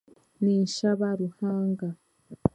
Ninshaba Ruhanga.